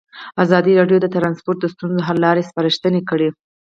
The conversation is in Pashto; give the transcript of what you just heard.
ازادي راډیو د ترانسپورټ د ستونزو حل لارې سپارښتنې کړي.